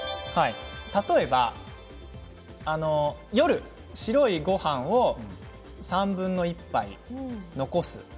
例えば夜、白いごはんを３分の１杯残す。